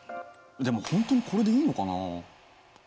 でも本当にこれでいいのかな？